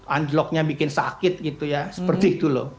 unlock nya bikin sakit gitu ya seperti itu loh